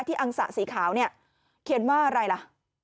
อังสะสีขาวเนี่ยเขียนว่าอะไรล่ะ